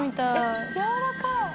やわらかい！